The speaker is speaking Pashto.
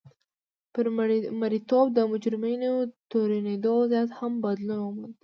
پر مریتوب د مجرمینو تورنېدو وضعیت هم بدلون وموند.